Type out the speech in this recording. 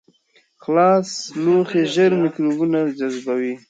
خلاص لوښي ژر میکروبونه جذبوي.